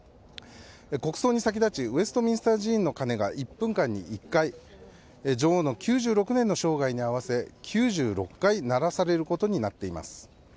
国葬に先立ちウェストミンスター寺院の鐘が１分間に１回女王の９６年の生涯に合わせ９６回鳴らされることになっています。